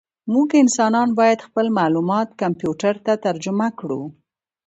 موږ انسانان باید خپل معلومات کمپیوټر ته ترجمه کړو.